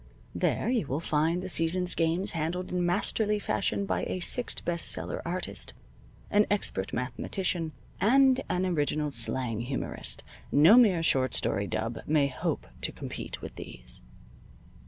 There you will find the season's games handled in masterly fashion by a six best seller artist, an expert mathematician, and an original slang humorist. No mere short story dub may hope to compete with these.